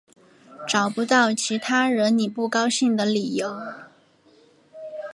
找不到其他惹你不高兴的理由